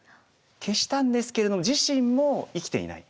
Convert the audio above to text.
消したんですけれども自身も生きていない。